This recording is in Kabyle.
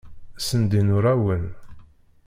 Ssendin urawen.